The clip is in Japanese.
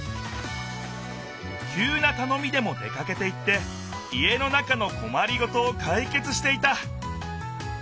きゅうなたのみでも出かけていって家の中のこまりごとをかいけつしていた。